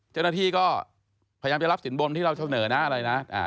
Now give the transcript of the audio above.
เจ้าหน้าที่ก็พยายามจะรับสินบนที่เราเสนอนะอะไรนะ